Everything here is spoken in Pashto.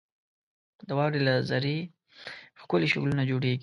• د واورې له ذرې ښکلي شکلونه جوړېږي.